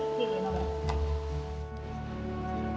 tunggu saya ini ini bapak